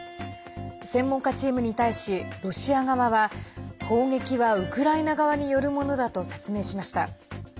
専門家チームに対しロシア側は砲撃はウクライナ側によるものだと説明しました。